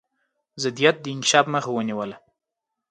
ضدیت د انکشاف مخه ونیوله.